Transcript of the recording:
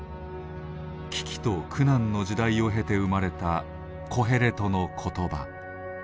危機と苦難の時代を経て生まれた「コヘレトの言葉」。